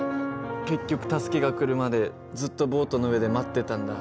結局助けが来るまでずっとボートの上で待ってたんだ。